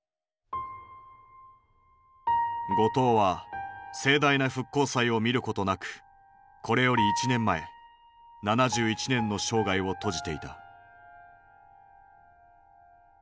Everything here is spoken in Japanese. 後藤は盛大な復興祭を見ることなくこれより１年前７１年の生涯を閉じていた。